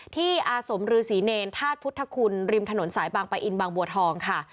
อาสมฤษีเนรธาตุพุทธคุณริมถนนสายบางปะอินบางบัวทองค่ะ